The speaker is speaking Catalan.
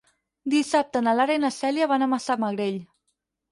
Dissabte na Lara i na Cèlia van a Massamagrell.